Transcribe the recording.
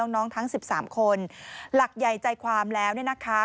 ทั้ง๑๓คนหลักใหญ่ใจความแล้วเนี่ยนะคะ